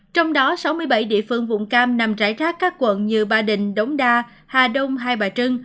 trong đó sáu mươi bảy địa phương vùng cam nằm rải rác các quận như ba đình đống đa hà đông hai bà trưng